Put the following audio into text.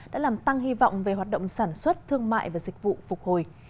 đã làm tăng hy vọng về hoạt động sản xuất thương mại và dịch vụ phục hồi